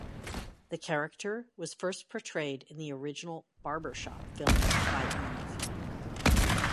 The character was first portrayed in the original "Barbershop" film by Eve.